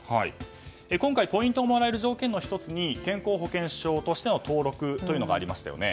今回ポイントをもらえる条件の１つに健康保険証としての登録がありましたよね。